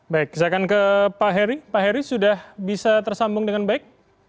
baik saya akan ke pak heri pak heri sudah bisa tersambung dengan baik